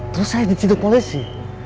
terus saya diciduk polisi